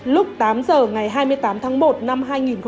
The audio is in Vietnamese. lúc tám giờ ngày hai mươi tám tháng một năm hai nghìn một mươi hai